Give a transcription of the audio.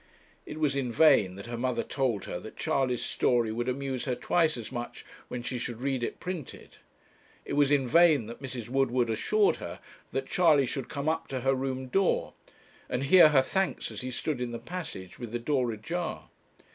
It was in vain that her mother told her that Charley's story would amuse her twice as much when she should read it printed; it was in vain that Mrs. Woodward assured her that Charley should come up to her room door; and hear her thanks as he stood in the passage, with the door ajar.